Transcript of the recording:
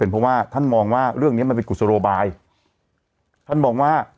เพราะว่าท่านมองว่าเรื่องเนี้ยมันเป็นกุศโลบายท่านมองว่า